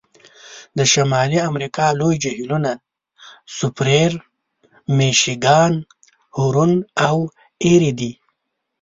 د شمالي امریکا لوی جهیلونه سوپریر، میشیګان، هورن او ایري دي.